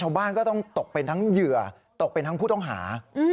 ก็ต้องตกเป็นทั้งเหยื่อตกเป็นทั้งผู้ต้องหา